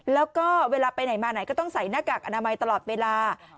แล้วก็เวลาไปไหนมาไหนก็ต้องใส่หน้ากากอนามัยตลอดเวลา